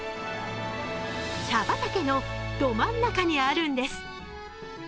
茶畑のど真ん中にあるんです。